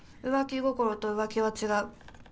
浮気心と浮気は違う。